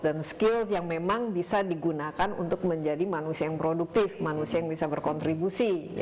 dan skills yang memang bisa digunakan untuk menjadi manusia yang produktif manusia yang bisa berkontribusi